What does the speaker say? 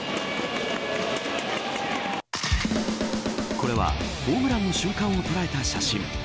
これはホームランの瞬間を捉えた写真。